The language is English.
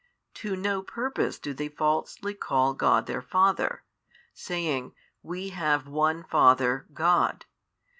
To no purpose do they falsely call God their Father, saying, We have One Father, God.